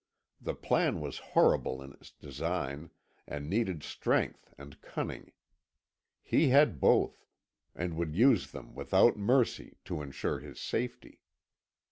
The plan was horrible in its design, and needed strength and cunning. He had both, and would use them without mercy, to ensure his safety.